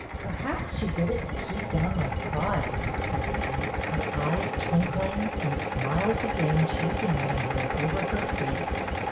" Perhaps she did it to keep down my pride," said Betty, her eyes twinkling and smiles again chasing one another over her face.